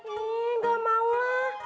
nih gak maulah